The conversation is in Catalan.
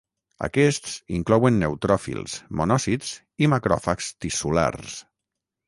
Aquests inclouen neutròfils, monòcits i macròfags tissulars.